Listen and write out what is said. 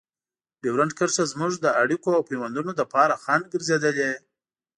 ډیورنډ کرښه زموږ د اړیکو او پيوندونو لپاره خنډ ګرځېدلې.